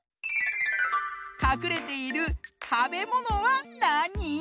かくれているたべものはなに？